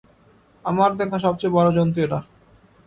আমার দেখা সবচেয়ে বড়ো জন্তু এটা।